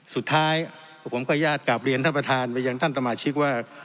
สุดท้ายผมขออนุญาตกลับเรียนท่านประธานไปยังท่านสมาชิกว่า